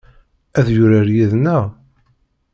Ad yurar yid-neɣ?